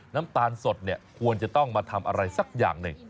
น้ำตาลสดเนี่ยควรจะต้องมาทำอะไรสักอย่างหนึ่ง